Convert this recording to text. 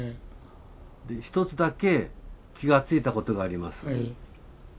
一つだけ気が付いたことがあります。